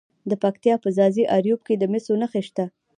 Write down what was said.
د پکتیا په ځاځي اریوب کې د مسو نښې شته.